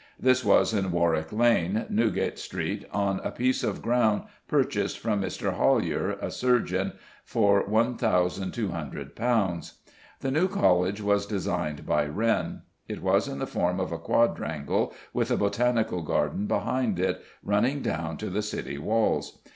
This was in Warwick Lane, Newgate Street, on a piece of ground purchased from Mr. Hollier, a surgeon, for £1,200. The new College was designed by Wren. It was in the form of a quadrangle, with a botanical garden behind it, running down to the City walls.